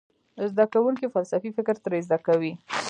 زده کوونکي فلسفي فکر ترې زده کوي.